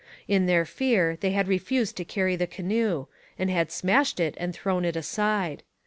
In their fear they had refused to carry the canoe, and had smashed it and thrown it aside.